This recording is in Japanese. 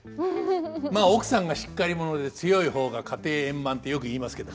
まあ奥さんがしっかり者で強い方が家庭円満ってよく言いますけどもまさにそんな御夫婦ですね。